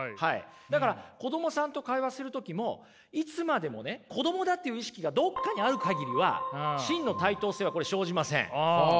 だから子供さんと会話する時もいつまでもね子供だっていう意識がどこかにある限りは真の対等性はこれ生じません。